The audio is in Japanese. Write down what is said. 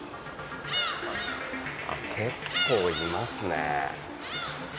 結構いますね。